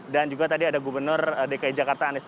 dan juga tadi ada gubernur dki jakarta anies baswit